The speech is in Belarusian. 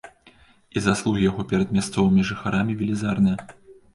І заслугі яго перад мясцовымі жыхарамі велізарныя.